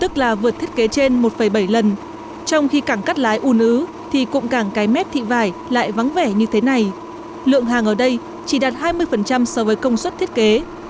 càng cắt lái u nứ thì cụm càng cái mét thị vải lại vắng vẻ như thế này lượng hàng ở đây chỉ đạt hai mươi so với công suất thiết kế